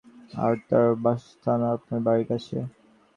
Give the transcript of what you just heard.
আর তাঁর বাসস্থানও আপনার বাড়ীর কাছে।